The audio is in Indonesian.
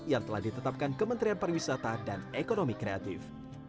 yang telah ditetapkan kementerian pariwisata dan ekonomi kreatif